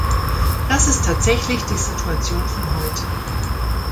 Das ist tatsächlich die Situation von heute.